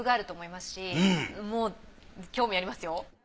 興味ありますよ。